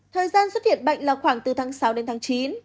thời gian xuất hiện bệnh là khoảng từ tháng sáu đến tháng chín